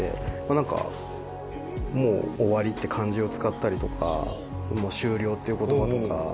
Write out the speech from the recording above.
何か「もう終わり」って漢字を使ったりとか「もう終了」っていう言葉とか。